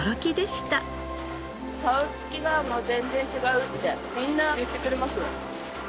顔つきが全然違うってみんな言ってくれます。